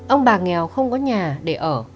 ông bà nghèo không có nhà để ở